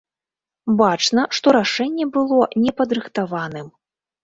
Бачна, што рашэнне было непадрыхтаваным.